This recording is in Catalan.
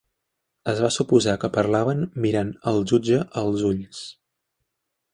Es va suposar que parlaven mirant al jutge als ulls.